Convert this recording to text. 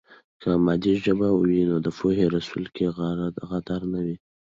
که مادي ژبه وي نو د پوهې رسولو کې غدر نه وي.